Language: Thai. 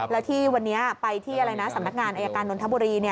และที่วันนี้ไปที่สำนักงานอายการนทบุรี